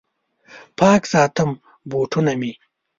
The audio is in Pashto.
پاک ساتم بوټونه مې